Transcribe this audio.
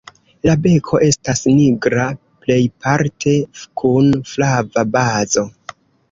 La beko estas nigra plejparte kun flava bazo.